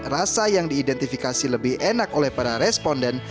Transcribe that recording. rasa yang diidentifikasi lebih enak oleh para responden